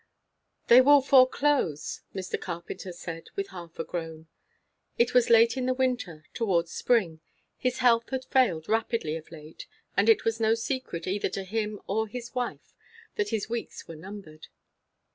"They will foreclose!" Mr. Carpenter said with a half groan. It was late in the winter; towards spring; his health had failed rapidly of late; and it was no secret either to him or his wile that his weeks were numbered.